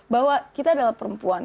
bahwa kita adalah perempuan